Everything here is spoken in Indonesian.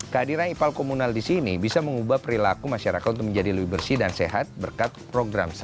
kehadiran ipal komunal di sini bisa mengubah perilaku masyarakat untuk menjadi lebih bersih dan sehat berkat program saya